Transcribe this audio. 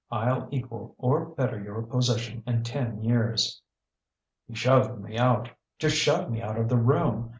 I'll equal or better your position in ten years.' "He shoved me out just shoved me out of the room....